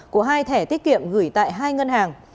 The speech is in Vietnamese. của hai thẻ tiết kiệm gửi tại hai ngân hàng